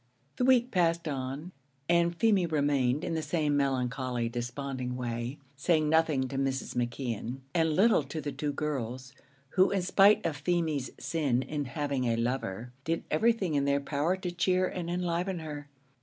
The week passed on, and Feemy remained in the same melancholy desponding way; saying nothing to Mrs. McKeon, and little to the two girls, who, in spite of Feemy's sin in having a lover, did everything in their power to cheer and enliven her.